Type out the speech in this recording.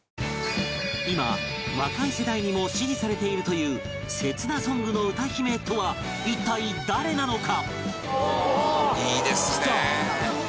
今若い世代にも支持されているという「切なソング」の歌姫とは一体誰なのか？